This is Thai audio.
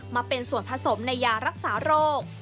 มาเป็นส่วนผสมในยารักษาโรค